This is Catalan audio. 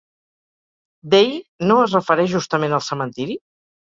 Dei» no es refereix justament al cementiri?